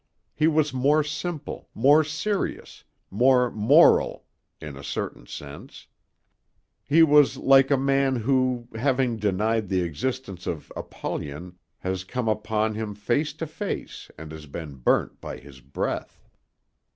He was more simple, more serious, more moral, in a certain sense. He was like a man who, having denied the existence of Apollyon, has come upon him face to face and has been burnt by his breath.